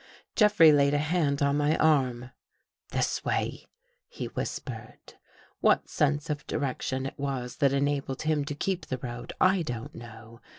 Jeffrey laid a hand on my arm. " This way," he whispered. What sense of direction it was that enabled him to keep the road, I don't know.